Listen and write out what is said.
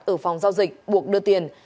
ở phòng giao dịch buộc đưa tiền